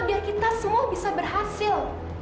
biar kita semua bisa berhasil